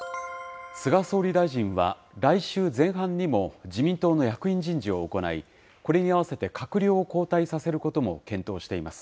菅総理大臣は、来週前半にも自民党の役員人事を行い、これに合わせて閣僚を交代させることも検討しています。